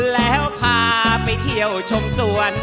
แล้วพาไปเที่ยวชมสวน